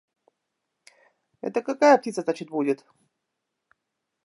Это какая птица, значит, будет?